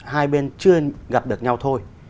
hai bên chưa gặp được nhau thôi